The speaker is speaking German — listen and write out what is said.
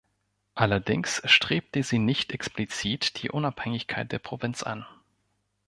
Allerdings strebte sie nicht explizit die Unabhängigkeit der Provinz an.